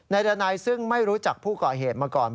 ดันัยซึ่งไม่รู้จักผู้ก่อเหตุมาก่อน